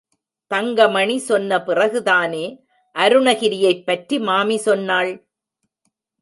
தங்கமணி சொன்ன பிறகுதானே அருணகிரியைப் பற்றி மாமி சொன்னாள்.